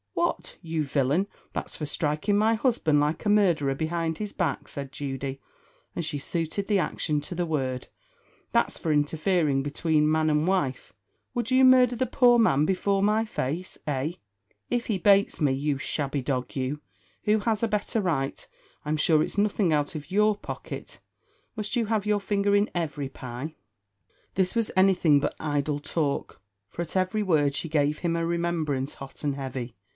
"What, you villain! that's for striking my husband like a murderer behind his back," said Judy, and she suited the action to the word, "that's for interfering between man and wife. Would you murder the poor man before my face? eh? If he bates me, you shabby dog you, who has a better right? I'm sure it's nothing out of your pocket. Must you have your finger in every pie?" This was anything but idle talk; for at every word she gave him a remembrance, hot and heavy.